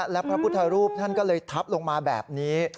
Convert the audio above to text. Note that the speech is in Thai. และพระพุทธรูปท่านก็เลยทับลงมาแบบนี้